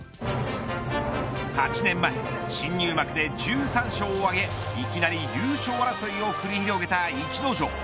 ８年前、新入幕で１３勝を挙げいきなり優勝争いを繰り広げた逸ノ城。